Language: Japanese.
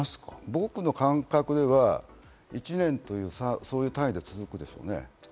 僕の感覚では１年というそういう単位で続くでしょうね。